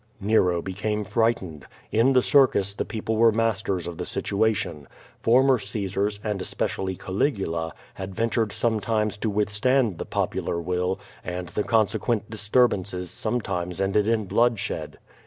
'^ Xero became frightened. In the circus the people were masters of the situation. Former Caesars, and especially Ca ligula, had ventured sometimes to withstand the popular will, and the consequent disturbances sometimes ended in blood shed.